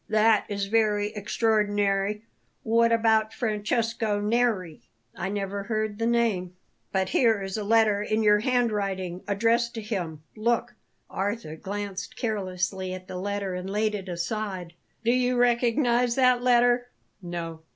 "That is very extraordinary. What about Francesco Neri?" "I never heard the name." "But here is a letter in your handwriting, addressed to him. Look!" Arthur glanced carelessly at the letter and laid it aside. "Do you recognize that letter?" "No."